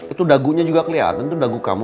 itu dagunya juga kelihatan itu dagu kamu